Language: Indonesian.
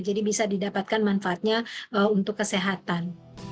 jadi bisa didapatkan manfaatnya untuk kesehatan